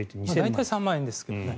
大体３万円ですけどね。